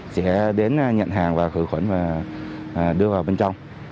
sẽ đến nhận hàng và khử khuẩn và đưa vào bên trong